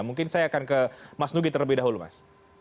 mungkin saya akan ke mas nugi terlebih dahulu mas